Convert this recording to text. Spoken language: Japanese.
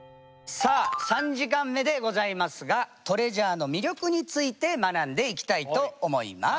さあ３時間目でございますがについて学んでいきたいと思います！